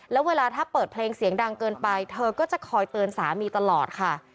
แล้วเวลาถ้าเปิดเพลงเสียงดังเกินไปเธอก็จะคอยเตือนสามีตลอดค่ะ